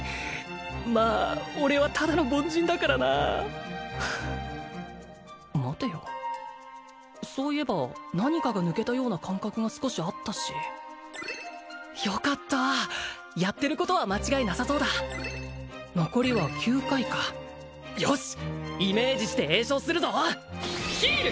まあ俺はただの凡人だからなはあ待てよそういえば何かが抜けたような感覚が少しあったしよかったやってることは間違いなさそうだ残りは９回かよしイメージして詠唱するぞヒール！